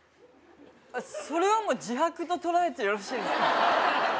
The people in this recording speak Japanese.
あっそれはもう自白ととらえてよろしいですか？